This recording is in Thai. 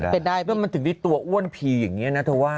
เป็นไปได้มันถึงที่ตัวอ้วนผีอย่างนี้นะเธอว่า